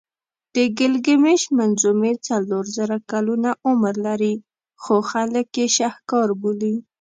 د ګیلګمېش منظومې څلور زره کلونه عمر لري خو خلک یې شهکار بولي.